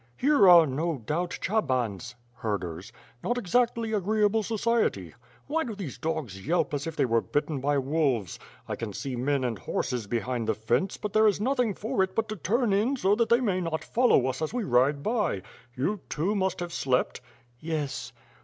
"Here are no doubt Chabans (herders'), not exactly agree able society. Why do tliese dogs yelp as if they were bitten by wolves. I can see men and horses l>ehind the fence, but there is nothing for it but to turn in so that they may not follow us as we ride by. You too must have slept?" "Yes."